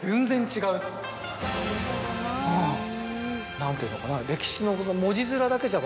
何ていうのかな歴史の。